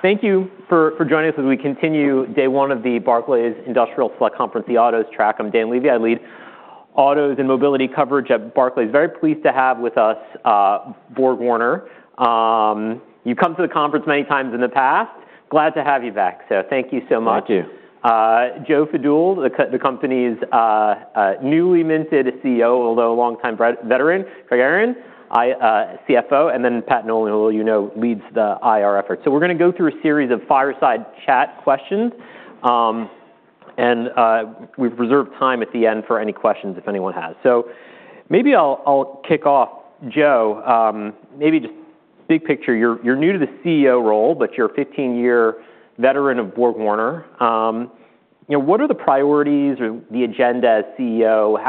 Thank you for joining us as we continue day one of the Barclays Industrial Select Conference, the Autos Track. I'm Dan Levy. I lead autos and mobility coverage at Barclays. Very pleased to have with us BorgWarner. You've come to the conference many times in the past. Glad to have you back. So thank you so much. Thank you. Joe Fadool, the company's newly minted CEO, although a longtime veteran, Craig Aaron, CFO, and then Pat Nolan, who you know leads the IR effort, so we're going to go through a series of fireside chat questions and we've reserved time at the end for any questions if anyone has, so maybe I'll kick off, Joe. Maybe just big picture, you're new to the CEO role, but you're a 15-year veteran of BorgWarner. What are the priorities or the agenda as CEO?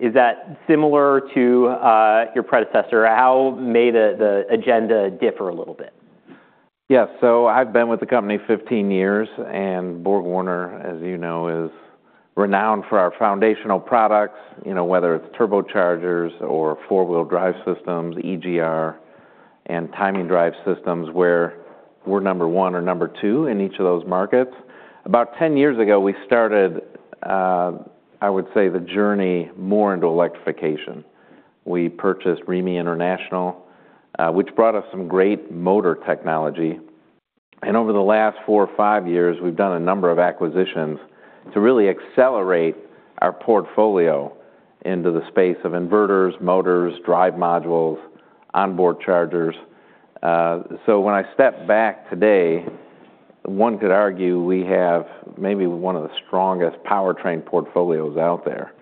Is that similar to your predecessor? How may the agenda differ a little bit? Yeah, so I've been with the company 15 years. And BorgWarner, as you know, is renowned for our foundational products, whether it's turbochargers or four-wheel drive systems, EGR, and timing drive systems, where we're number one or number two in each of those markets. About 10 years ago, we started, I would say, the journey more into electrification. We purchased Remy International, which brought us some great motor technology. And over the last four or five years, we've done a number of acquisitions to really accelerate our portfolio into the space of inverters, motors, drive modules, onboard chargers. So when I step back today, one could argue we have maybe one of the strongest powertrain portfolios out there.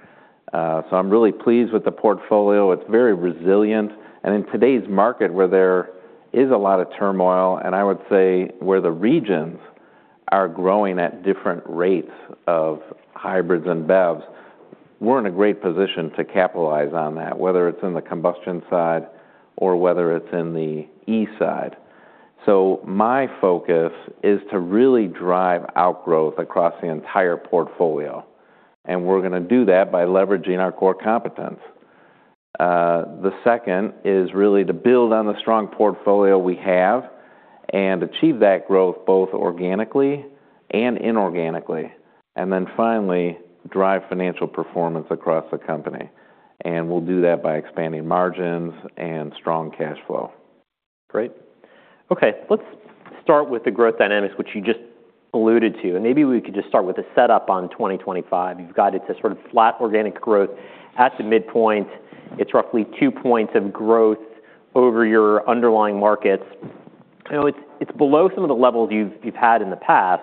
So I'm really pleased with the portfolio. It's very resilient. And in today's market, where there is a lot of turmoil, and I would say where the regions are growing at different rates of hybrids and BEVs, we're in a great position to capitalize on that, whether it's in the combustion side or whether it's in the e-side. So my focus is to really drive outgrowth across the entire portfolio. And we're going to do that by leveraging our core competence. The second is really to build on the strong portfolio we have and achieve that growth both organically and inorganically. And then finally, drive financial performance across the company. And we'll do that by expanding margins and strong cash flow. Great. Okay, let's start with the growth dynamics, which you just alluded to. And maybe we could just start with the setup on 2025. You've got it to sort of flat organic growth at the midpoint. It's roughly two points of growth over your underlying markets. It's below some of the levels you've had in the past.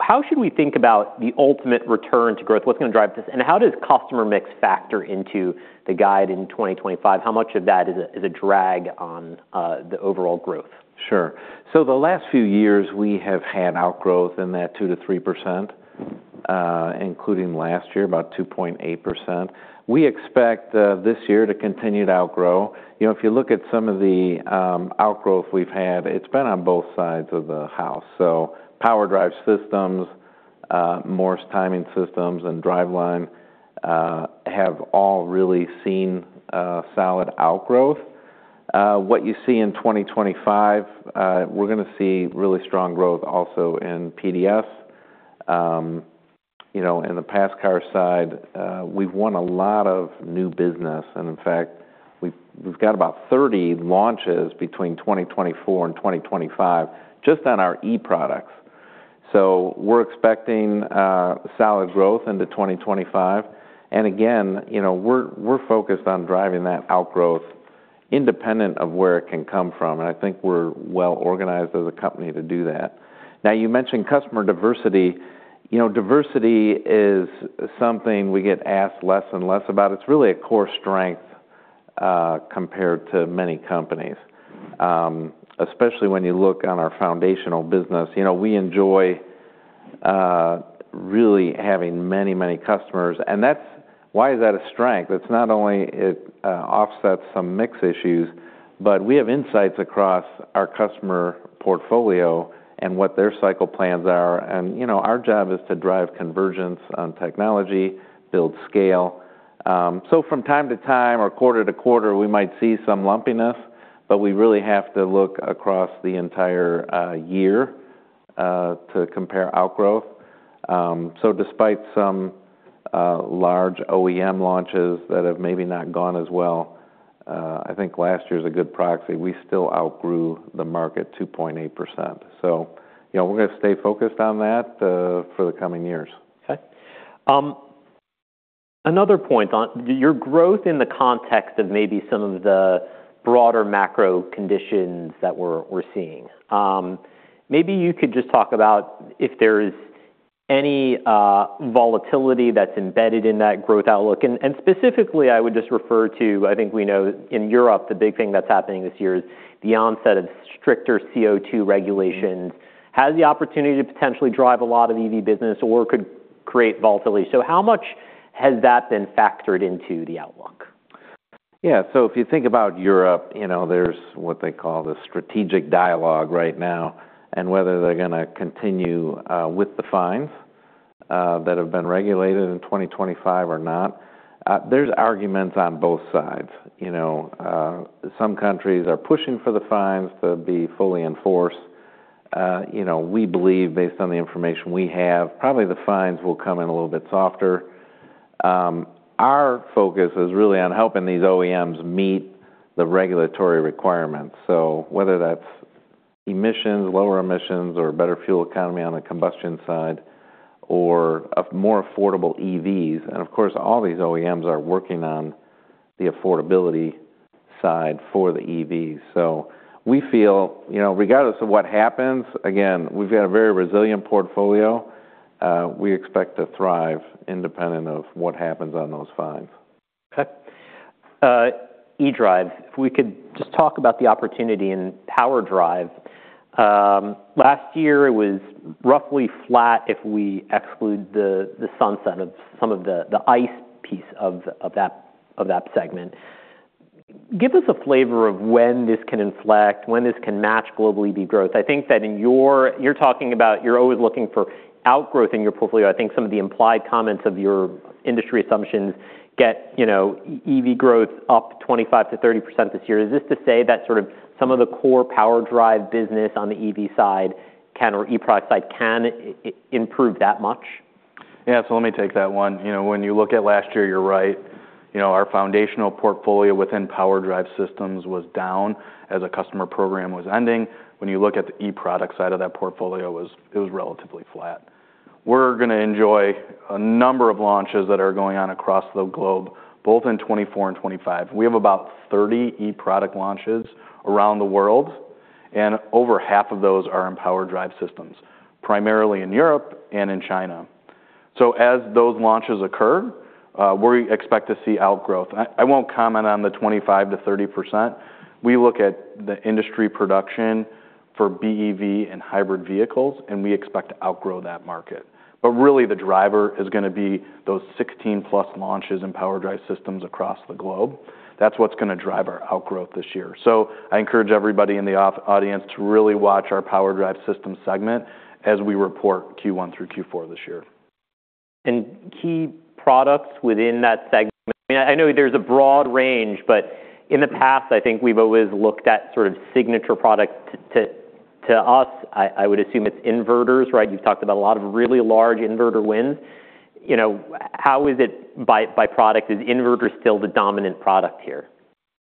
How should we think about the ultimate return to growth? What's going to drive this? And how does customer mix factor into the guide in 2025? How much of that is a drag on the overall growth? Sure. So the last few years, we have had outgrowth in that 2%-3%, including last year, about 2.8%. We expect this year to continue to outgrow. If you look at some of the outgrowth we've had, it's been on both sides of the house. So PowerDrive Systems, Morse timing systems, and driveline have all really seen solid outgrowth. What you see in 2025, we're going to see really strong growth also in PDS. In the passenger car side, we've won a lot of new business. And in fact, we've got about 30 launches between 2024 and 2025 just on our eProducts. So we're expecting solid growth into 2025. And again, we're focused on driving that outgrowth independent of where it can come from. And I think we're well organized as a company to do that. Now, you mentioned customer diversity. Diversity is something we get asked less and less about. It's really a core strength compared to many companies, especially when you look on our foundational business. We enjoy really having many, many customers, and why is that a strength? It's not only it offsets some mix issues, but we have insights across our customer portfolio and what their cycle plans are, and our job is to drive convergence on technology, build scale, so from time to time or quarter to quarter, we might see some lumpiness, but we really have to look across the entire year to compare outgrowth, so despite some large OEM launches that have maybe not gone as well, I think last year's a good proxy. We still outgrew the market 2.8%, so we're going to stay focused on that for the coming years. Okay. Another point on your growth in the context of maybe some of the broader macro conditions that we're seeing. Maybe you could just talk about if there is any volatility that's embedded in that growth outlook. And specifically, I would just refer to, I think we know in Europe, the big thing that's happening this year is the onset of stricter CO2 regulations has the opportunity to potentially drive a lot of EV business or could create volatility. So how much has that been factored into the outlook? Yeah, so if you think about Europe, there's what they call the strategic dialogue right now. And whether they're going to continue with the fines that have been regulated in 2025 or not, there's arguments on both sides. Some countries are pushing for the fines to be fully enforced. We believe, based on the information we have, probably the fines will come in a little bit softer. Our focus is really on helping these OEMs meet the regulatory requirements. So whether that's emissions, lower emissions, or a better fuel economy on the combustion side or more affordable EVs. And of course, all these OEMs are working on the affordability side for the EVs. So we feel regardless of what happens, again, we've got a very resilient portfolio. We expect to thrive independent of what happens on those fines. Okay. eDrive, if we could just talk about the opportunity in power drive. Last year, it was roughly flat if we exclude the sunset of some of the ICE piece of that segment. Give us a flavor of when this can inflect, when this can match global EV growth. I think that you're talking about always looking for outgrowth in your portfolio. I think some of the implied comments of your industry assumptions get EV growth up 25%-30% this year. Is this to say that sort of some of the core power drive business on the EV side can or eProduct side can improve that much? Yeah, so let me take that one. When you look at last year, you're right. Our foundational portfolio within PowerDrive Systems was down as a customer program was ending. When you look at the eProduct side of that portfolio, it was relatively flat. We're going to enjoy a number of launches that are going on across the globe, both in 2024 and 2025. We have about 30 eProduct launches around the world. And over half of those are in PowerDrive Systems, primarily in Europe and in China. So as those launches occur, we expect to see outgrowth. I won't comment on the 25%-30%. We look at the industry production for BEV and hybrid vehicles, and we expect to outgrow that market. But really, the driver is going to be those 16+ launches in PowerDrive Systems across the globe. That's what's going to drive our outgrowth this year. So I encourage everybody in the audience to really watch our PowerDrive Systems segment as we report Q1 through Q4 this year. Key products within that segment, I know there's a broad range, but in the past, I think we've always looked at sort of signature products. To us, I would assume it's inverters, right? You've talked about a lot of really large inverter wins. How is it by product? Is inverter still the dominant product here?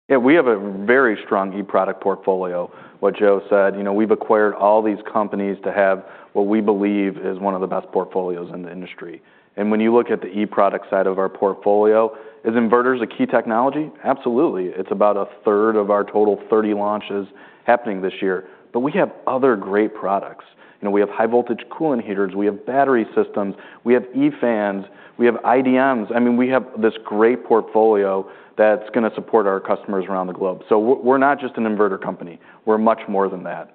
Yeah, we have a very strong eProduct portfolio. What Joe said, we've acquired all these companies to have what we believe is one of the best portfolios in the industry. And when you look at the eProduct side of our portfolio, is inverters a key technology? Absolutely. It's about a third of our total 30 launches happening this year. But we have other great products. We have high voltage coolant heaters. We have battery systems. We have eFans. We have iDMs. I mean, we have this great portfolio that's going to support our customers around the globe. So we're not just an inverter company. We're much more than that.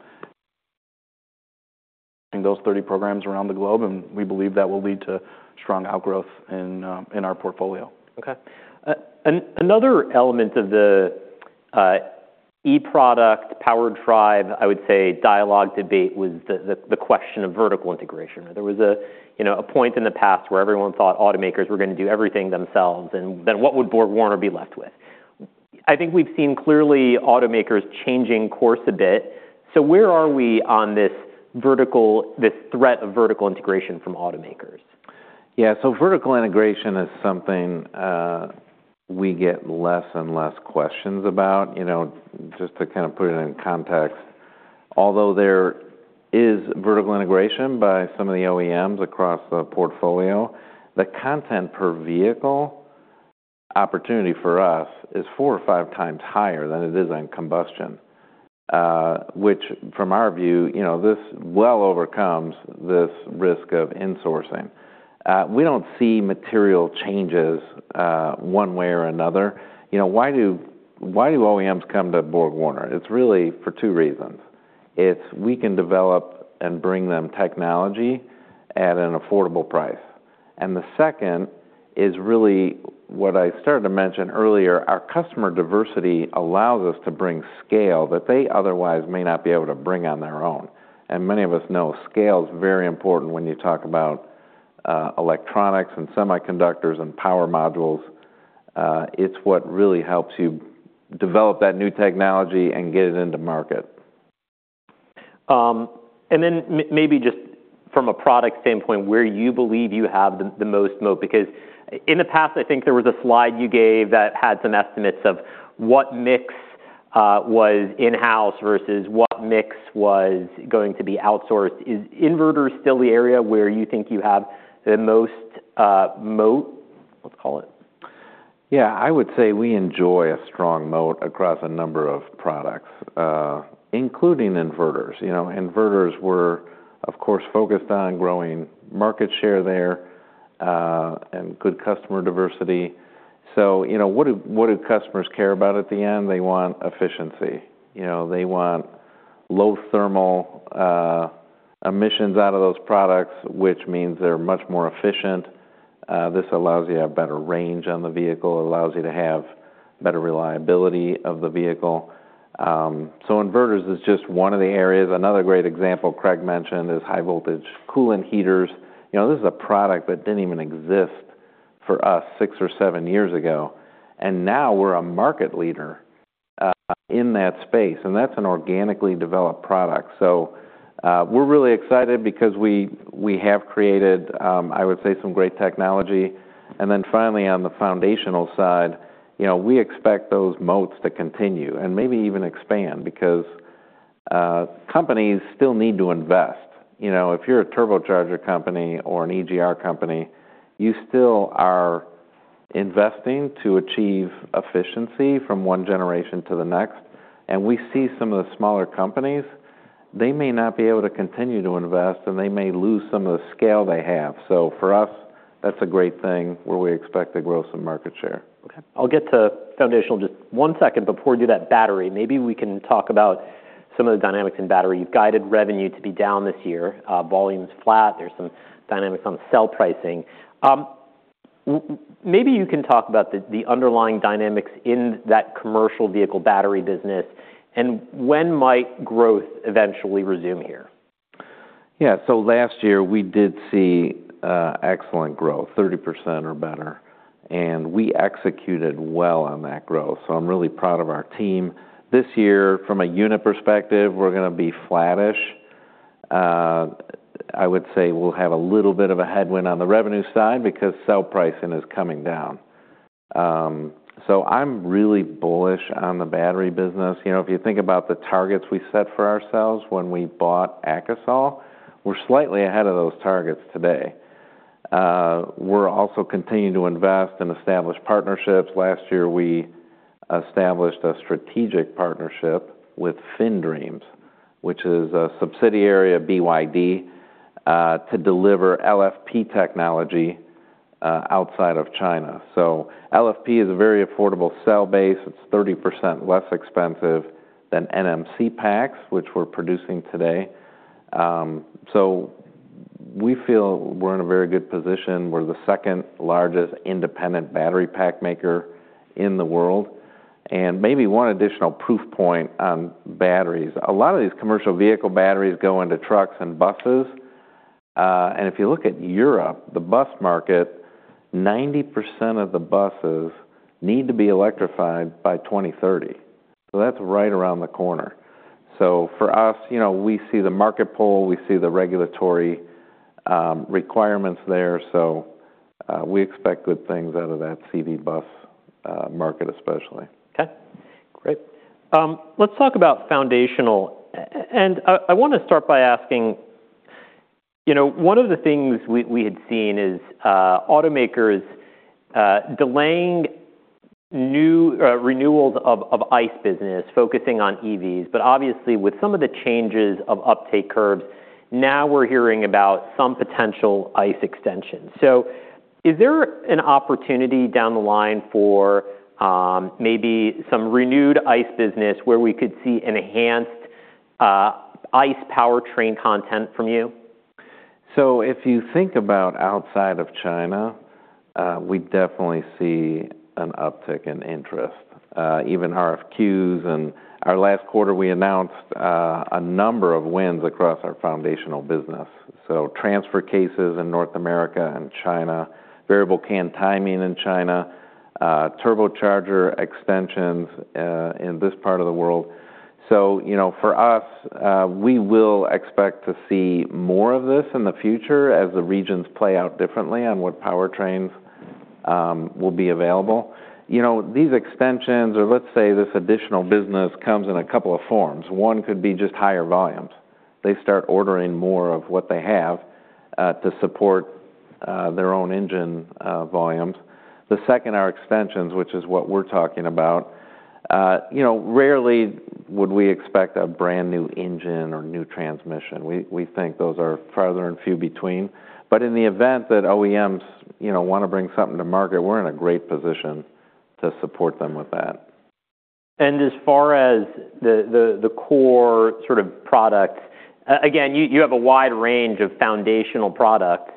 Those 30 programs around the globe, and we believe that will lead to strong outgrowth in our portfolio. Okay. Another element of the EV powertrain, I would say, dialogue debate was the question of vertical integration. There was a point in the past where everyone thought automakers were going to do everything themselves, and then what would BorgWarner be left with? I think we've seen clearly automakers changing course a bit, so where are we on this threat of vertical integration from automakers? Yeah, so vertical integration is something we get less and less questions about. Just to kind of put it in context, although there is vertical integration by some of the OEMs across the portfolio, the content per vehicle opportunity for us is four or five times higher than it is on combustion, which from our view, this well overcomes this risk of insourcing. We don't see material changes one way or another. Why do OEMs come to BorgWarner? It's really for two reasons. It's we can develop and bring them technology at an affordable price. And the second is really what I started to mention earlier. Our customer diversity allows us to bring scale that they otherwise may not be able to bring on their own. And many of us know scale is very important when you talk about electronics and semiconductors and power modules. It's what really helps you develop that new technology and get it into market. And then maybe just from a product standpoint, where you believe you have the most moat, because in the past, I think there was a slide you gave that had some estimates of what mix was in-house versus what mix was going to be outsourced. Is inverter still the area where you think you have the most moat? What's it called? Yeah, I would say we enjoy a strong moat across a number of products, including inverters. Inverters were, of course, focused on growing market share there and good customer diversity. So what do customers care about at the end? They want efficiency. They want low thermal emissions out of those products, which means they're much more efficient. This allows you to have better range on the vehicle, allows you to have better reliability of the vehicle. So inverters is just one of the areas. Another great example Craig mentioned is high voltage coolant heaters. This is a product that didn't even exist for us six or seven years ago, and now we're a market leader in that space, and that's an organically developed product, so we're really excited because we have created, I would say, some great technology. And then finally, on the foundational side, we expect those moats to continue and maybe even expand because companies still need to invest. If you're a turbocharger company or an EGR company, you still are investing to achieve efficiency from one generation to the next. And we see some of the smaller companies, they may not be able to continue to invest, and they may lose some of the scale they have. So for us, that's a great thing where we expect to grow some market share. Okay. I'll get to foundational in just one second. Before we do that battery, maybe we can talk about some of the dynamics in battery. You've guided revenue to be down this year. Volume's flat. There's some dynamics on selling pricing. Maybe you can talk about the underlying dynamics in that commercial vehicle battery business. And when might growth eventually resume here? Yeah, so last year, we did see excellent growth, 30% or better, and we executed well on that growth, so I'm really proud of our team. This year, from a unit perspective, we're going to be flattish. I would say we'll have a little bit of a headwind on the revenue side because selling prices are coming down, so I'm really bullish on the battery business. If you think about the targets we set for ourselves when we bought Akasol, we're slightly ahead of those targets today. We're also continuing to invest and establish partnerships. Last year, we established a strategic partnership with FinDreams, which is a subsidiary of BYD, to deliver LFP technology outside of China, so LFP is a very affordable cell base. It's 30% less expensive than NMC packs, which we're producing today, so we feel we're in a very good position. We're the second largest independent battery pack maker in the world. And maybe one additional proof point on batteries. A lot of these commercial vehicle batteries go into trucks and buses. And if you look at Europe, the bus market, 90% of the buses need to be electrified by 2030. So that's right around the corner. So for us, we see the market pull. We see the regulatory requirements there. So we expect good things out of that CV bus market, especially. Okay. Great. Let's talk about foundational, and I want to start by asking, one of the things we had seen is automakers delaying renewals of ICE business, focusing on EVs, but obviously, with some of the changes of uptake curves, now we're hearing about some potential ICE extension, so is there an opportunity down the line for maybe some renewed ICE business where we could see enhanced ICE powertrain content from you? So if you think about outside of China, we definitely see an uptick in interest. Even RFQs. And our last quarter, we announced a number of wins across our foundational business. So transfer cases in North America and China, variable cam timing in China, turbocharger extensions in this part of the world. So for us, we will expect to see more of this in the future as the regions play out differently on what powertrains will be available. These extensions, or let's say this additional business, comes in a couple of forms. One could be just higher volumes. They start ordering more of what they have to support their own engine volumes. The second are extensions, which is what we're talking about. Rarely would we expect a brand new engine or new transmission. We think those are few and far between. But in the event that OEMs want to bring something to market, we're in a great position to support them with that. As far as the core sort of product, again, you have a wide range of foundational products.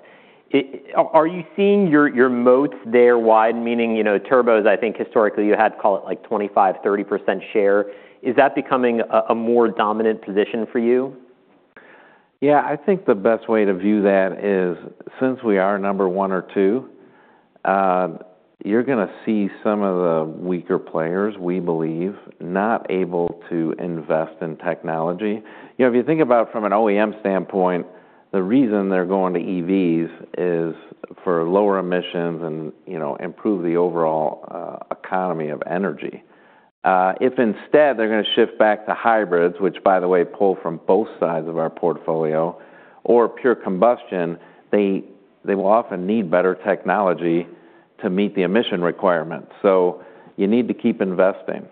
Are you seeing your moats there wide, meaning turbos? I think historically you had, call it, like 25%, 30% share. Is that becoming a more dominant position for you? Yeah, I think the best way to view that is since we are number one or two, you're going to see some of the weaker players, we believe, not able to invest in technology. If you think about it from an OEM standpoint, the reason they're going to EVs is for lower emissions and improve the overall economy of energy. If instead they're going to shift back to hybrids, which, by the way, pull from both sides of our portfolio, or pure combustion, they will often need better technology to meet the emission requirements. So you need to keep investing.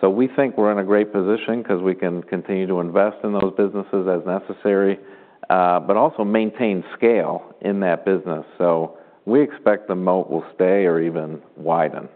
So we think we're in a great position because we can continue to invest in those businesses as necessary, but also maintain scale in that business. So we expect the moat will stay or even widen.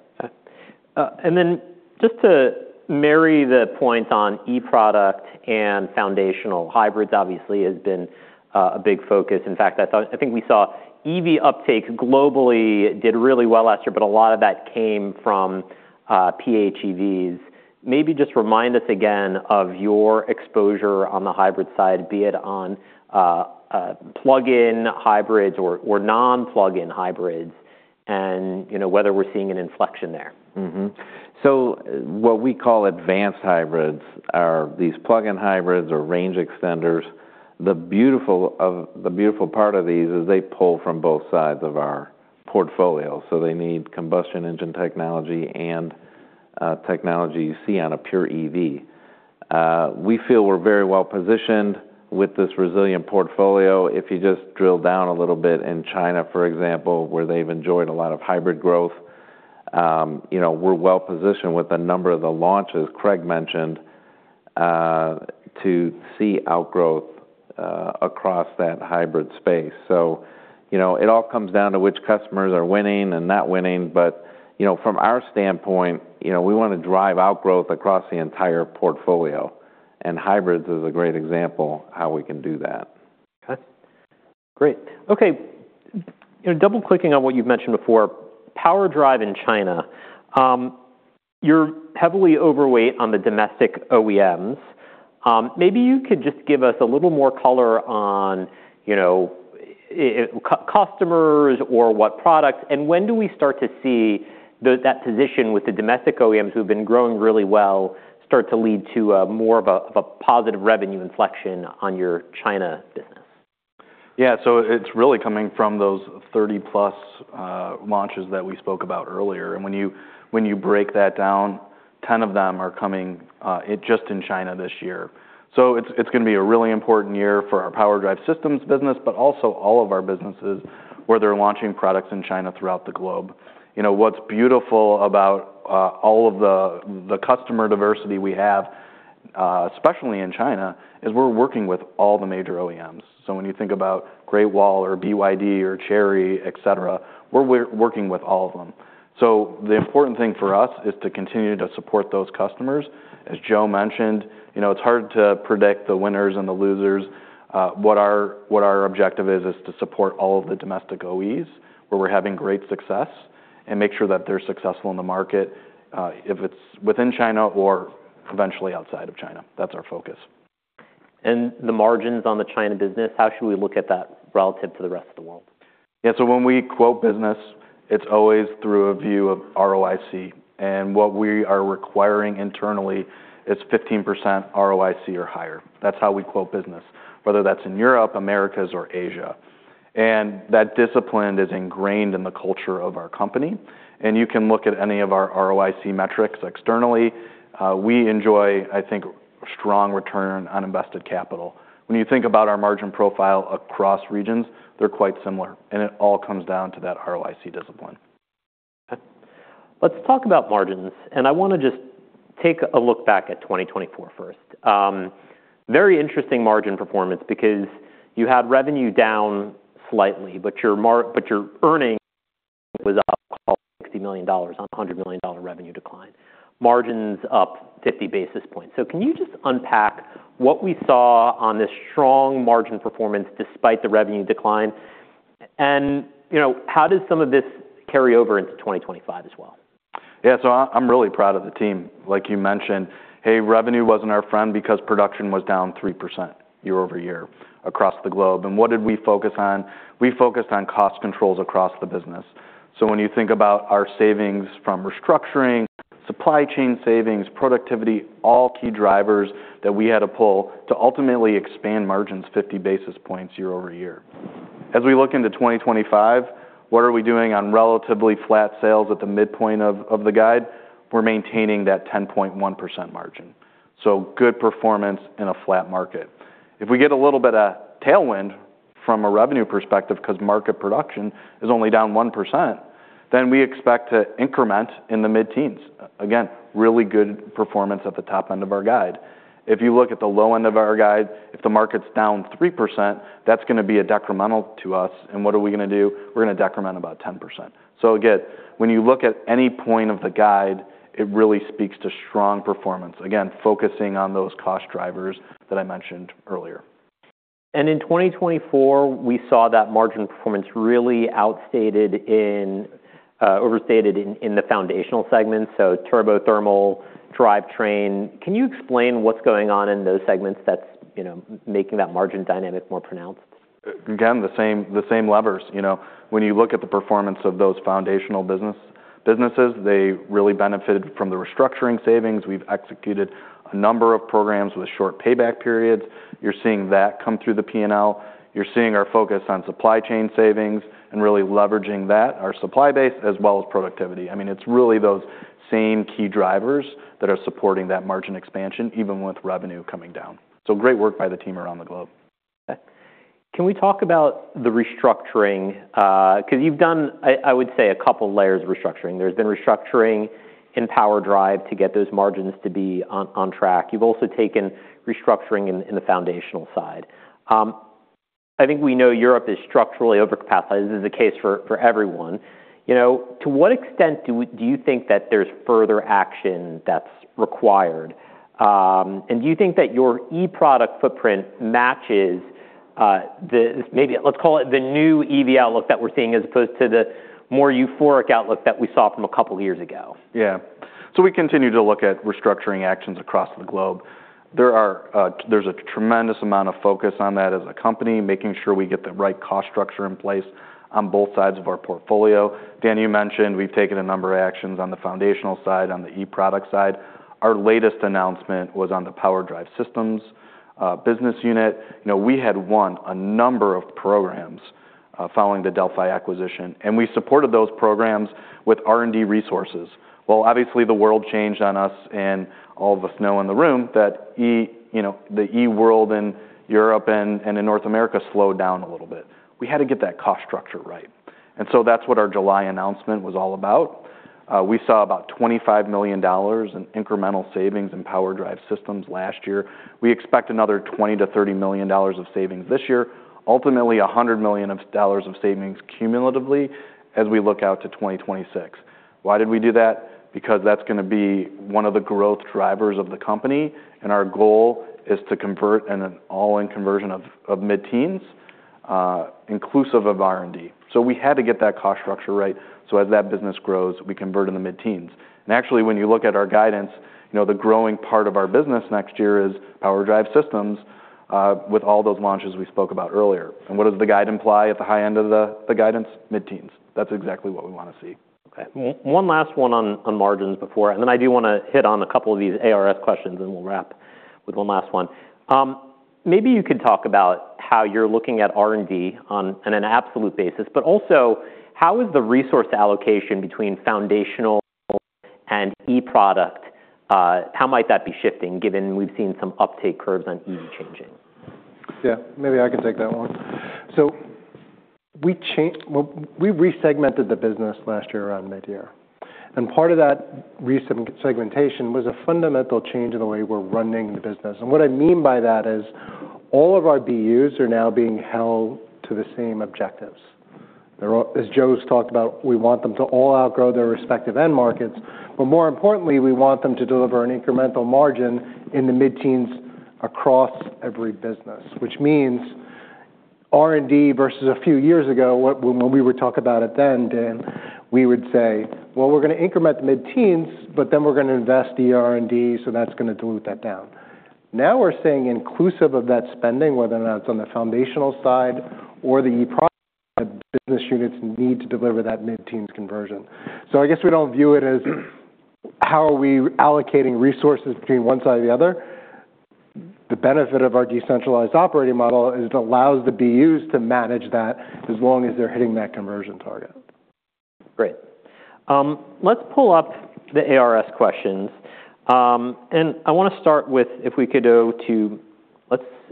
Then just to marry the points on eProduct and foundational, hybrids obviously has been a big focus. In fact, I think we saw EV uptake globally did really well last year, but a lot of that came from PHEVs. Maybe just remind us again of your exposure on the hybrid side, be it on plug-in hybrids or non-plug-in hybrids, and whether we're seeing an inflection there. So what we call advanced hybrids are these plug-in hybrids or range extenders. The beautiful part of these is they pull from both sides of our portfolio. So they need combustion engine technology and technology you see on a pure EV. We feel we're very well positioned with this resilient portfolio. If you just drill down a little bit in China, for example, where they've enjoyed a lot of hybrid growth, we're well positioned with a number of the launches Craig mentioned to see outgrowth across that hybrid space. So it all comes down to which customers are winning and not winning. But from our standpoint, we want to drive outgrowth across the entire portfolio. And hybrids is a great example of how we can do that. Okay. Great. Okay. Double-clicking on what you've mentioned before, PowerDrive in China. You're heavily overweight on the domestic OEMs. Maybe you could just give us a little more color on customers or what products. And when do we start to see that position with the domestic OEMs who have been growing really well start to lead to more of a positive revenue inflection on your China business? Yeah, so it's really coming from those 30+ launches that we spoke about earlier. And when you break that down, 10 of them are coming just in China this year. So it's going to be a really important year for our PowerDrive Systems business, but also all of our businesses where they're launching products in China throughout the globe. What's beautiful about all of the customer diversity we have, especially in China, is we're working with all the major OEMs. So when you think about Great Wall or BYD or Chery, etc, we're working with all of them. So the important thing for us is to continue to support those customers. As Joe mentioned, it's hard to predict the winners and the losers. What our objective is to support all of the domestic OEs where we're having great success and make sure that they're successful in the market, if it's within China or eventually outside of China. That's our focus. The margins on the China business, how should we look at that relative to the rest of the world? Yeah, so when we quote business, it's always through a view of ROIC. And what we are requiring internally is 15% ROIC or higher. That's how we quote business, whether that's in Europe, Americas, or Asia. And that discipline is ingrained in the culture of our company. And you can look at any of our ROIC metrics externally. We enjoy, I think, a strong return on invested capital. When you think about our margin profile across regions, they're quite similar. And it all comes down to that ROIC discipline. Let's talk about margins. And I want to just take a look back at 2024 first. Very interesting margin performance because you had revenue down slightly, but your earnings was up $60 million on a $100 million revenue decline. Margins up 50 basis points. So can you just unpack what we saw on this strong margin performance despite the revenue decline? And how does some of this carry over into 2025 as well? Yeah, so I'm really proud of the team. Like you mentioned, hey, revenue wasn't our friend because production was down 3% year-over-year across the globe. And what did we focus on? We focused on cost controls across the business. So when you think about our savings from restructuring, supply chain savings, productivity, all key drivers that we had to pull to ultimately expand margins 50 basis points year over year. As we look into 2025, what are we doing on relatively flat sales at the midpoint of the guide? We're maintaining that 10.1% margin. So good performance in a flat market. If we get a little bit of tailwind from a revenue perspective because market production is only down 1%, then we expect to increment in the mid-teens. Again, really good performance at the top end of our guide. If you look at the low end of our guide, if the market's down 3%, that's going to be a decremental to us. And what are we going to do? We're going to decrement about 10%. So again, when you look at any point of the guide, it really speaks to strong performance, again, focusing on those cost drivers that I mentioned earlier. In 2024, we saw that margin performance really overstated in the foundational segments, so turbo, thermal, drivetrain. Can you explain what's going on in those segments that's making that margin dynamic more pronounced? Again, the same levers. When you look at the performance of those foundational businesses, they really benefited from the restructuring savings. We've executed a number of programs with short payback periods. You're seeing that come through the P&L. You're seeing our focus on supply chain savings and really leveraging that, our supply base, as well as productivity. I mean, it's really those same key drivers that are supporting that margin expansion, even with revenue coming down. So great work by the team around the globe. Can we talk about the restructuring? Because you've done, I would say, a couple of layers of restructuring. There's been restructuring in Power Drive to get those margins to be on track. You've also taken restructuring in the Foundational side. I think we know Europe is structurally overcapacitated. This is a case for everyone. To what extent do you think that there's further action that's required? And do you think that your eProduct footprint matches, maybe let's call it the new EV outlook that we're seeing as opposed to the more euphoric outlook that we saw from a couple of years ago? Yeah, so we continue to look at restructuring actions across the globe. There's a tremendous amount of focus on that as a company, making sure we get the right cost structure in place on both sides of our portfolio. Dan, you mentioned we've taken a number of actions on the foundational side, on the eProduct side. Our latest announcement was on the PowerDrive Systems business unit. We had won a number of programs following the Delphi acquisition, and we supported those programs with R&D resources. Well, obviously, the world changed on us, and all of us know in the room that the e-world in Europe and in North America slowed down a little bit. We had to get that cost structure right, and so that's what our July announcement was all about. We saw about $25 million in incremental savings in PowerDrive Systems last year. We expect another $20 million-$30 million of savings this year, ultimately $100 million of savings cumulatively as we look out to 2026. Why did we do that? Because that's going to be one of the growth drivers of the company. And our goal is to convert an all-in conversion of mid-teens, inclusive of R&D. So we had to get that cost structure right. So as that business grows, we convert in the mid-teens. And actually, when you look at our guidance, the growing part of our business next year is PowerDrive Systems with all those launches we spoke about earlier. And what does the guide imply at the high end of the guidance? Mid-teens. That's exactly what we want to see. One last one on margins before and then I do want to hit on a couple of these ARS questions, and we'll wrap with one last one. Maybe you could talk about how you're looking at R&D on an absolute basis, but also how is the resource allocation between foundational and eProduct? How might that be shifting, given we've seen some uptake curves on EV changing? Yeah, maybe I can take that one, so we resegmented the business last year around mid-year, and part of that resegmentation was a fundamental change in the way we're running the business, and what I mean by that is all of our BUs are now being held to the same objectives. As Joe's talked about, we want them to all outgrow their respective end markets. But more importantly, we want them to deliver an incremental margin in the mid-teens across every business, which means R&D versus a few years ago, when we were talking about it then, Dan, we would say, well, we're going to increment the mid-teens, but then we're going to invest the R&D, so that's going to dilute that down. Now we're saying inclusive of that spending, whether or not it's on the foundational side or the eProduct, the business units need to deliver that mid-teens conversion. So I guess we don't view it as how are we allocating resources between one side or the other. The benefit of our decentralized operating model is it allows the BUs to manage that as long as they're hitting that conversion target. Great. Let's pull up the ARS questions. And I want to start with if we could go to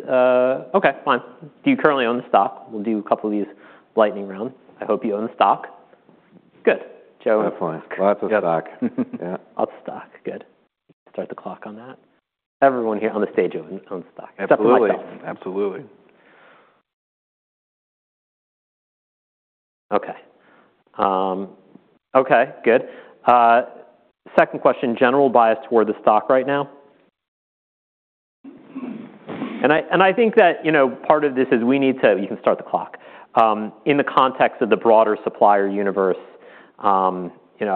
Okay, fine. Do you currently own the stock? We'll do a couple of these lightning rounds. I hope you own the stock. Good. Joe? Definitely. Lots of stock. Yeah. Lots of stock. Good. Start the clock on that. Everyone here on the stage owns stock. Absolutely. Okay. Good. Second question, general bias toward the stock right now? And I think that part of this is we need to you can start the clock. In the context of the broader supplier universe, I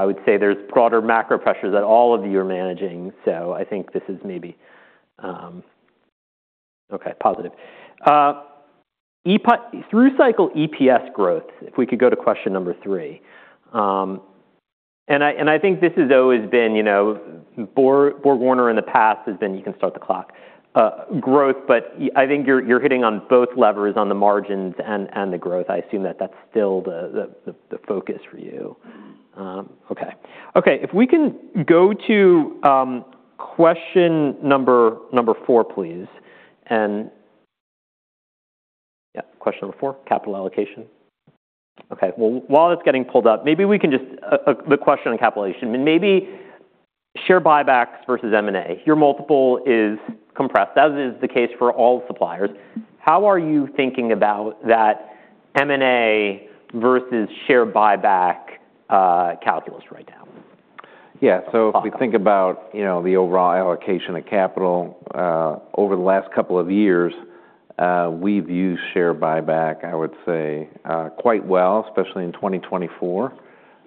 would say there's broader macro pressures that all of you are managing. So I think this is maybe Okay, positive. Through cycle EPS growth, if we could go to question number three. And I think this has always been BorgWarner in the past has been you can start the clock growth. But I think you're hitting on both levers on the margins and the growth. I assume that that's still the focus for you. Okay. Okay, if we can go to question number four, please. And yeah, question number four, capital allocation. Okay, well, while it's getting pulled up, maybe we can just the question on capital allocation. Maybe share buybacks versus M&A. Your multiple is compressed, as is the case for all suppliers. How are you thinking about that M&A versus share buyback calculus right now? Yeah, so if we think about the overall allocation of capital over the last couple of years, we've used share buyback, I would say, quite well, especially in 2024,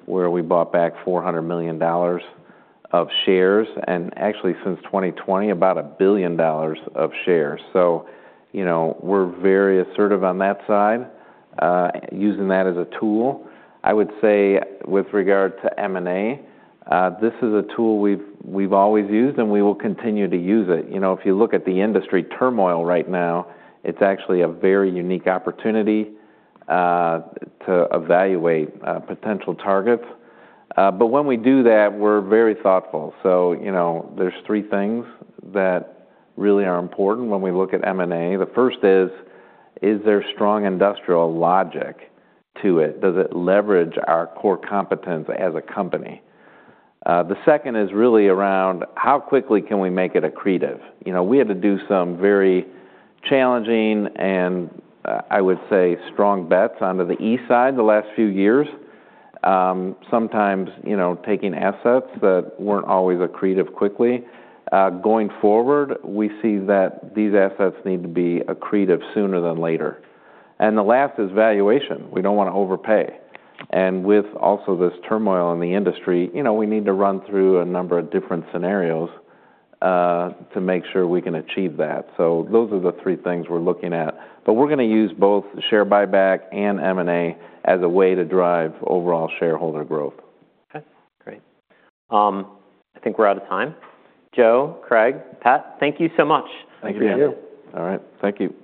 where we bought back $400 million of shares, and actually, since 2020, about $1 billion of shares, so we're very assertive on that side, using that as a tool. I would say with regard to M&A, this is a tool we've always used and we will continue to use it. If you look at the industry turmoil right now, it's actually a very unique opportunity to evaluate potential targets, but when we do that, we're very thoughtful, so there's three things that really are important when we look at M&A. The first is, is there strong industrial logic to it? Does it leverage our core competence as a company? The second is really around how quickly can we make it accretive? We had to do some very challenging and, I would say, strong bets onto the e-side the last few years, sometimes taking assets that weren't always accretive quickly. Going forward, we see that these assets need to be accretive sooner than later, and the last is valuation. We don't want to overpay, and with also this turmoil in the industry, we need to run through a number of different scenarios to make sure we can achieve that, so those are the three things we're looking at, but we're going to use both share buyback and M&A as a way to drive overall shareholder growth. Okay, great. I think we're out of time. Joe, Craig, Pat, thank you so much. Thank you. All right. Thank you.